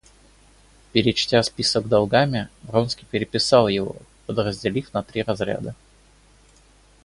Перечтя список долгам, Вронский переписал его, подразделив на три разряда.